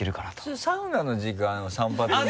それサウナの時間散髪に。